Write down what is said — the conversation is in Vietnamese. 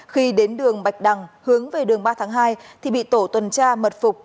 khi đến đường bạch đăng hướng về đường ba tháng hai thì bị tổ tuần tra mật phục